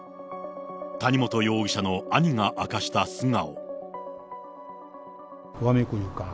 谷本容疑者の兄が明かした素顔。